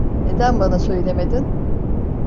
Neden bana söylemedin?